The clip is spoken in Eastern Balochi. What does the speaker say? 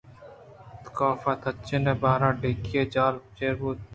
کاف تچان ءَ بار ءِ ڈیکی ءِ جہل ءَ چیر بوت